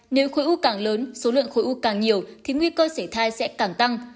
nếu khối u càng lớn số lượng khối u càng nhiều thì nguy cơ xảy thai sẽ càng tăng